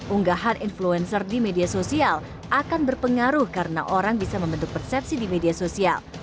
unggahan influencer di media sosial akan berpengaruh karena orang bisa membentuk persepsi di media sosial